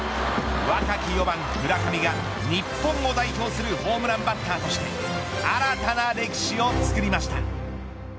若き４番、村上が日本を代表するホームランバッターとして新たな歴史をつくりました。